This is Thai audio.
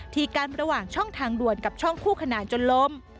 กันระหว่างช่องทางด่วนกับช่องคู่ขนานจนล้ม